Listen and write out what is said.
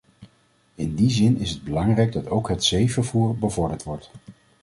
In die zin is het belangrijk dat ook het zeevervoer bevorderd wordt.